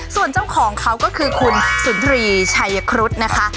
ส่วนเจ้าของเขาก็คือคุณสุนทรีชัยครุฑนะคะ